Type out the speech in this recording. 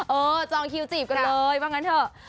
เออจองคิวจีบกันเลยบ้างกันเถอะ